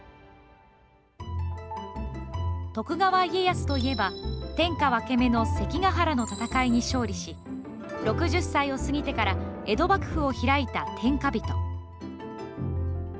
徳川家康といえば、天下分け目の関ヶ原の戦いに勝利し、６０歳を過ぎてから江戸幕府を開いた天下人。